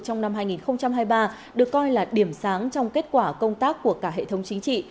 trong năm hai nghìn hai mươi ba được coi là điểm sáng trong kết quả công tác của cả hệ thống chính trị